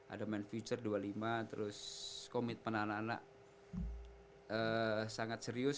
ada main future dua puluh lima terus commit penahanan anak sangat serius